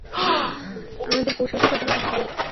আমাদের কৌশল থাকা দরকার ছিল।